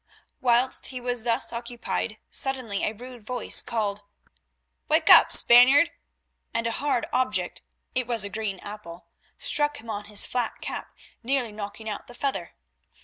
Whilst he was thus occupied suddenly a rude voice called, "Wake up, Spaniard," and a hard object—it was a green apple—struck him on his flat cap nearly knocking out the feather.